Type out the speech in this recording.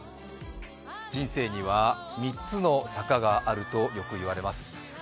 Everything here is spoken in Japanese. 人生には３つの坂があるとよくいわれます。